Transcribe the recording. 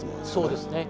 そうですね。